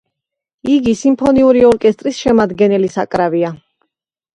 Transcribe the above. იგი სიმფონიური ორკესტრის შემადგენელი საკრავია.